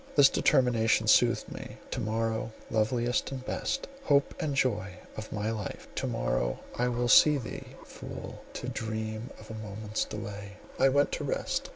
This determination soothed me. To morrow, loveliest and best, hope and joy of my life, to morrow I will see thee—Fool, to dream of a moment's delay! I went to rest.